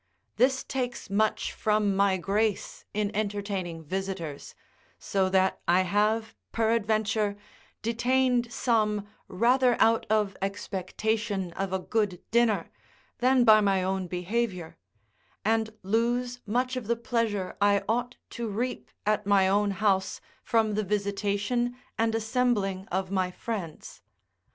This takes much from my grace in entertaining visitors, so that I have, peradventure, detained some rather out of expectation of a good dinner, than by my own behaviour; and lose much of the pleasure I ought to reap at my own house from the visitation and assembling of my friends.